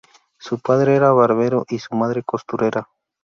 Su padre era barbero, y su madre costurera.